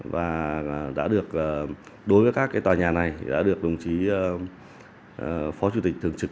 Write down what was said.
và đã được đối với các tòa nhà này đã được đồng chí phó chủ tịch thường trực